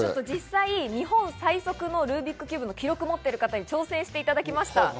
実際、日本最速のルービックキューブの記録を持っている方に挑戦していただきました。